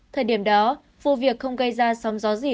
thời điểm đó vụ việc không gây ra sóng gió gì